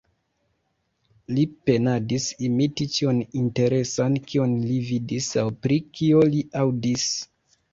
Li penadis imiti ĉion interesan, kion li vidis aŭ pri kio li aŭdis.